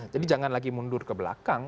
jadi jangan lagi mundur ke belakang